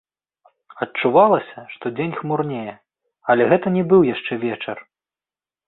Адчувалася, што дзень хмурнее, але гэта не быў яшчэ вечар.